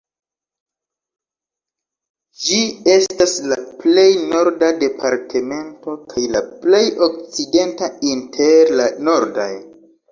Ĝi estas la plej norda departemento kaj la plej okcidenta inter la nordaj.